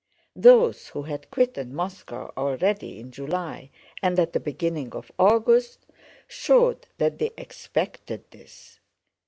Those who had quitted Moscow already in July and at the beginning of August showed that they expected this.